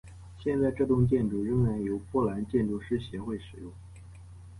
现在这座建筑仍然由波兰建筑师协会使用。